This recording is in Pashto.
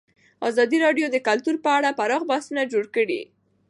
ازادي راډیو د کلتور په اړه پراخ بحثونه جوړ کړي.